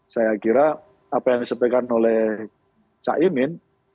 saya kira apa yang disebutkan oleh cak imin